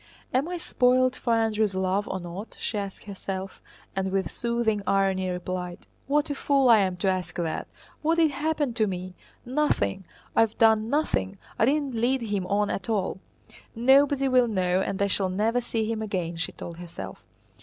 "Am I spoiled for Andrew's love or not?" she asked herself, and with soothing irony replied: "What a fool I am to ask that! What did happen to me? Nothing! I have done nothing, I didn't lead him on at all. Nobody will know and I shall never see him again," she told herself.